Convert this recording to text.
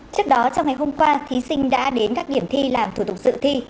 trước đó trong ngày hôm qua thí sinh đã đến các điểm thi làm thủ tục dự thi